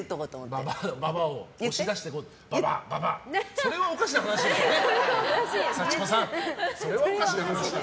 それはおかしな話ですね。